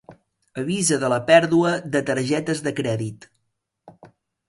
Avisa de la pèrdua de targetes de crèdit.